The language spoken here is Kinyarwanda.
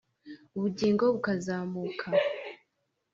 Ubugingo bukazamuka